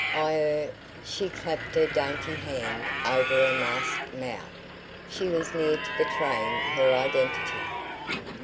"I er " She clapped her dainty hand over her masked mouth. She was near to betraying her identity.